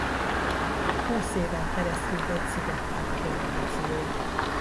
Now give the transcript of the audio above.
Húsz éven keresztül volt Szigetvár kormányzója.